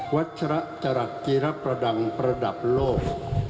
วัชรักษ์จรักษ์จีรประดังประดับโลก